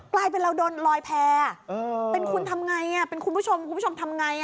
กลายไปแล้วโดนลอยแพลเป็นคุณทำไงคุณผู้ชมทำไง